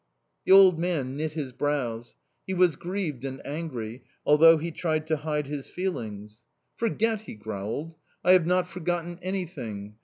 The old man knit his brows. He was grieved and angry, although he tried to hide his feelings. "Forget!" he growled. "I have not forgotten anything...